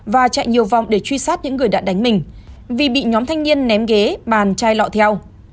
và chạy nhiều vòng để truy sát những người đã đánh mình vì bị nhóm thanh niên ném ghế bàn chai lọ theo